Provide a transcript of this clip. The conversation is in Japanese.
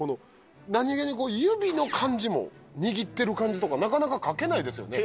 何気に指の感じも握ってる感じとかなかなか描けないですよね？